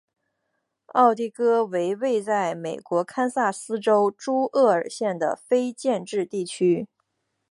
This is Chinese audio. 奥蒂戈为位在美国堪萨斯州朱厄尔县的非建制地区。